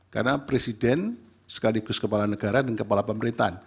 karena presiden sekaligus kepala negara dan kepala pemerintahan